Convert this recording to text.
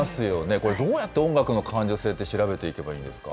これ、どうやって音楽の感受性って調べていけばいいんですか。